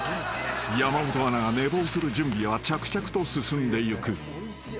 ［山本アナが寝坊する準備は着々と進んでいく］